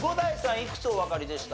いくつおわかりでした？